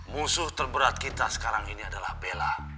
musuh terberat kita sekarang ini adalah bela